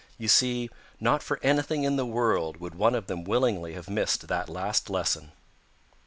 You see, not for anything in the world would one of them willingly have missed that last lesson.